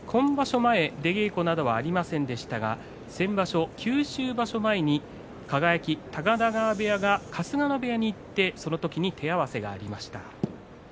前、出稽古などはありませんでしたが先場所、九州場所前に輝高田川部屋、春日野部屋に行ってその時に手合わせがありました。